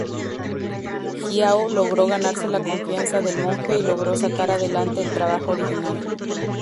Xiao logró ganarse la confianza del monje y logró sacar adelante el trabajo original.